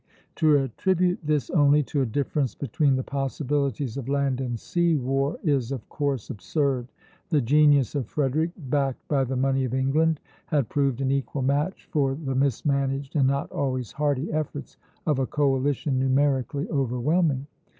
To attribute this only to a difference between the possibilities of land and sea war is of course absurd. The genius of Frederick, backed by the money of England, had proved an equal match for the mismanaged and not always hearty efforts of a coalition numerically overwhelming.